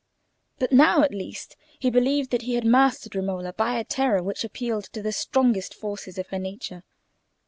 But now, at least, he believed that he had mastered Romola by a terror which appealed to the strongest forces of her nature.